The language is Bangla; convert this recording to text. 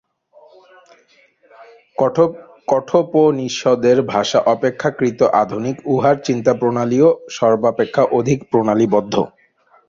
কঠোপনিষদের ভাষা অপেক্ষাকৃত আধুনিক, উহার চিন্তাপ্রণালীও সর্বাপেক্ষা অধিক প্রণালীবদ্ধ।